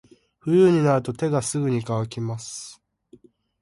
冬になると手がすぐに乾きます。